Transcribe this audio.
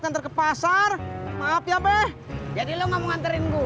nganter ke pasar maaf ya be jadi lu ngomong anterin gua